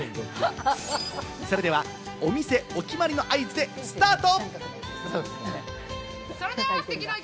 それではお店お決まりの合図でスタート！